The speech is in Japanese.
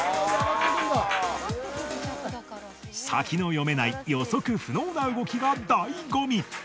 先の読めない予測不能な動きがだいご味。